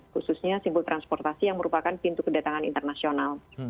khususnya simpul transportasi yang merupakan pintu kedatangan internasional